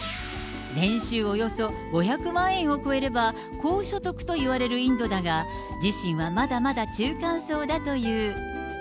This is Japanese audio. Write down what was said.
年収およそ５００万円を超えれば、高所得といわれるインドだが、自身はまだまだ中間層だという。